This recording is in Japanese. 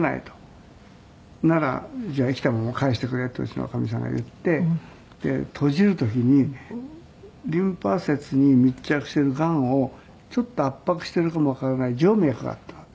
なら「じゃあ生きたまま返してくれ」とうちのかみさんが言って。で閉じる時にリンパ節に密着してるがんをちょっと圧迫してるかもわからない静脈があったんだって。